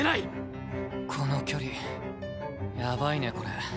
この距離やばいねこれ。